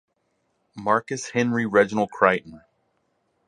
Marcus Henry Reginald Crichton.